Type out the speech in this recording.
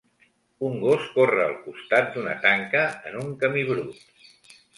Un gos corre al costat d'una tanca en un camí brut.